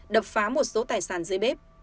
đập phá một số tài sản dưới bếp